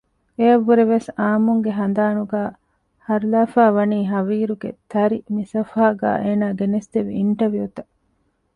އެއަށް ވުރެ ވެސް އާއްމުންގެ ހަނދާނުގައި ހަރުލާފައިވަނީ ހަވީރުގެ ތަރި މި ސަފުހާގައި އޭނާ ގެނެސްދެއްވި އިންޓަވިއުތައް